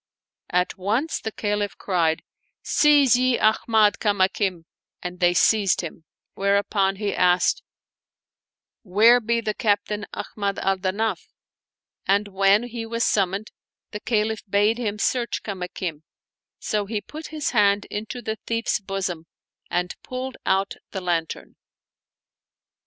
At once the Caliph cried, " Seize ye Ahmad Kamakim !" and they seized him ; whereupon he asked, " Where be the Captain Ahmad al Danaf ?" And when he was summoned the Caliph bade him search Kamakim ; so he put his hand into the thief's bosom and pulled out the lantern.